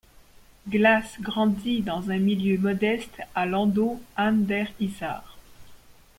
Glas grandit dans un milieu modeste à Landau an der Isar.